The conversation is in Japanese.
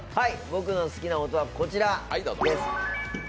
僕の好きな音はこちらです。